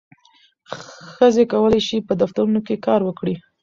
ښځې کولی شي په دفترونو کې کار وکړي.